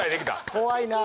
怖いなあ。